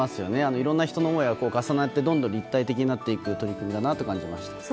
いろいろな人の思いが重なってどんどん立体的になっていく取り組みだなと思いました。